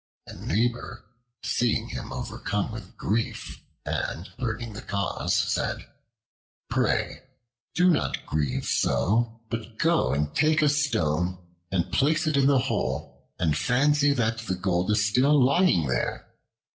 A neighbor, seeing him overcome with grief and learning the cause, said, "Pray do not grieve so; but go and take a stone, and place it in the hole, and fancy that the gold is still lying there.